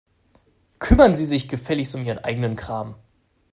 Kümmern Sie sich gefälligst um Ihren eigenen Kram.